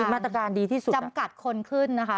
มาตรการดีที่สุดจำกัดคนขึ้นนะคะ